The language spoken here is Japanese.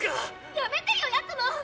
やめてよヤクモ！